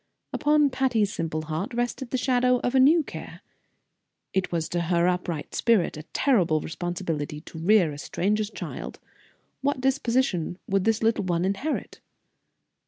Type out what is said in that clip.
Upon Patty's simple heart rested the shadow of a new care. It was to her upright spirit a terrible responsibility to rear a stranger's child. What disposition would this little one inherit?